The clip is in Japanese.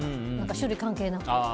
種類が関係なく。